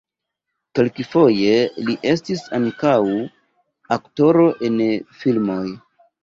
Kelkfoje li estis ankaŭ aktoro en filmoj.